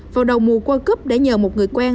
vào đầu mùa quân cướp để nhờ một người quen